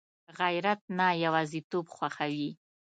غیرت نه یوازېتوب خوښوي